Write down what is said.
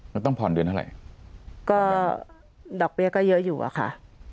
มันต้องผ่อนเดือนเท่าไหร่ก็ดอกเบี้ยก็เยอะอยู่อะค่ะ